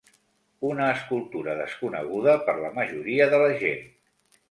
Una escultura desconeguda per la majoria de la gent.